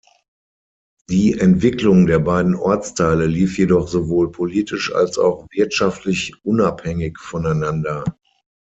Die Entwicklung der beiden Ortsteile lief jedoch sowohl politisch als auch wirtschaftlich unabhängig voneinander.